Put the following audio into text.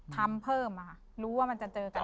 ทำเพิ่มค่ะรู้ว่ามันจะเจอกัน